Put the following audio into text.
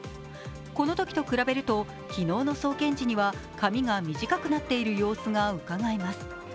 このときと比べると昨日の送検時には髪が短くなっている様子がうかがえます。